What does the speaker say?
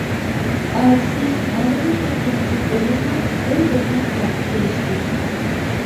ئەتىسى ھالىدىن كەتكەن قىز-ئوغۇللار بىر-بىرلەپ قايتىپ كېلىشتى.